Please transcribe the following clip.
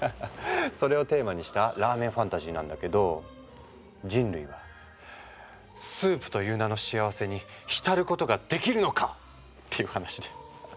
それをテーマにしたラーメンファンタジーなんだけど人類はスープという名の幸せに浸ることができるのか？っていう話で。